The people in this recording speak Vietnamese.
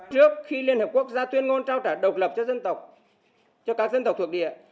trước khi liên hợp quốc ra tuyên ngôn trao trả độc lập cho dân tộc cho các dân tộc thuộc địa